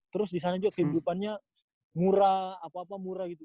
terus di sana juga kehidupannya murah apa apa murah gitu